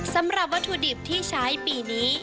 สำหรับวัตถุดิบที่ใช้ปีนี้